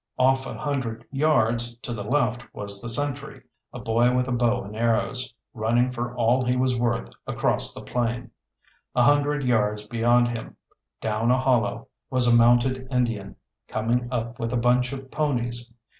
Off a hundred yards to the left was the sentry, a boy with a bow and arrows, running for all he was worth across the plain. A hundred yards beyond him, down a hollow, was a mounted Indian coming up with a bunch of ponies.